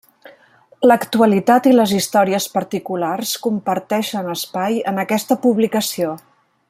L'actualitat i les històries particulars comparteixen espai en aquesta publicació.